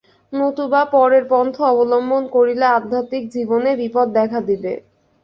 নতুবা পরের পন্থা অবলম্বন করিলে আধ্যাত্মিক জীবনে বিপদ দেখা দিবে।